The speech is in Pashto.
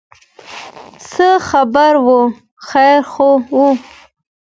څه خبره وه خیر خو و.